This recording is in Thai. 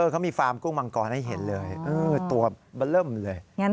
เขามีฟาร์มกุ้งมังกรให้เห็นเลยตัวเบอร์เริ่มเลย